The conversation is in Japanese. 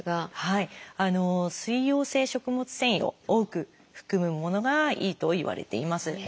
水溶性食物繊維を多く含むものがいいといわれています。